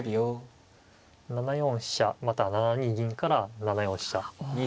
７四飛車または７二銀から７四飛車。